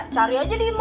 cari aja di